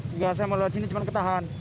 enggak saya mau lihat sini cuma ketahan